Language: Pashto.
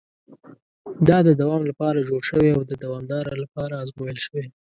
دا د دوام لپاره جوړ شوی او د دوام لپاره ازمول شوی.